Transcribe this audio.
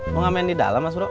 mau ga main di dalam mas bro